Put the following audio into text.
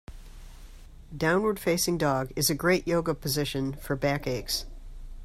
Downward facing dog is a great Yoga position for back aches.